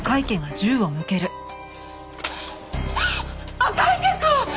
赤池くん！？